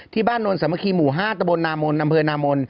ที่บ้านนวลสมคีหมู่๕ตะบลนามนนำเภอนามน